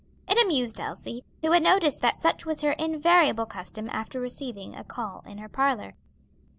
It amused Elsie, who had noticed that such was her invariable custom after receiving a call in her parlor.